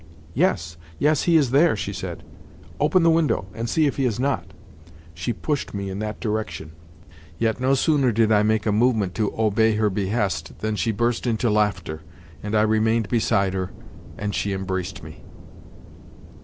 "Yes, yes, he is there," she said. "Open the window, and see if he is not." She pushed me in that direction; yet, no sooner did I make a movement to obey her behest than she burst into laughter, and I remained beside her, and she embraced me.